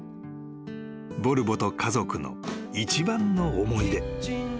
［ボルボと家族の一番の思い出］